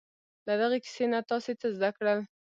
له دغې کیسې نه تاسې څه زده کړل؟